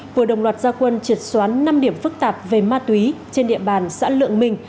vừa đồng loạt gia quân triệt xóa năm điểm phức tạp về ma túy trên địa bàn xã lượng minh